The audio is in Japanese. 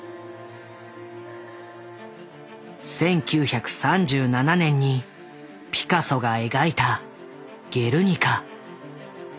１９３７年にピカソが描いた「ゲルニカ」。